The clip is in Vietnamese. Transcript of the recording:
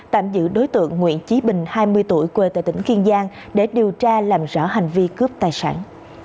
tạm giữ đối tượng nguyễn trí bình hai mươi tuổi quê tại tỉnh kiên giang để điều tra làm rõ hành vi cướp tài sản